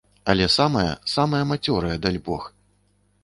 Але самая, самая мацёрая, дальбог.